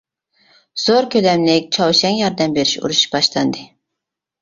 زور كۆلەملىك چاۋشيەنگە ياردەم بېرىش ئۇرۇشى باشلاندى.